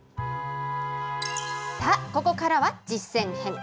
さあ、ここからは実践編。